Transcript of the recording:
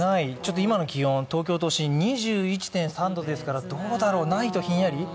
今の気温、東京都心、２１．３度ですからないとひんやり？